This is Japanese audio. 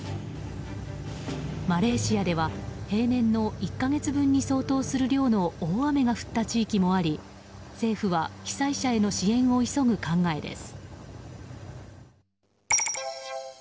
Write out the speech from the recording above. マレーシアでは平年の１か月分に相当する量の大雨が降った地域もあり政府は被災者への支援を急ぐ考えです。